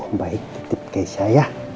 om baik dititip keisha ya